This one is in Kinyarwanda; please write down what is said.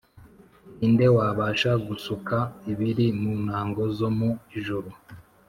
ninde wabasha gusuka ibiri mu ntango zo mu ijuru